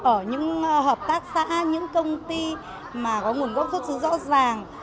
ở những hợp tác xã những công ty mà có nguồn gốc xuất xứ rõ ràng